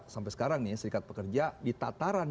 sampai sekarang nih serikat pekerja di tataran